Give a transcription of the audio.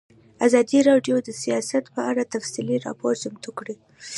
ازادي راډیو د سیاست په اړه تفصیلي راپور چمتو کړی.